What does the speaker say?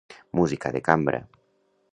Música de cambra.